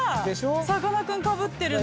さかなクン、かぶってるの。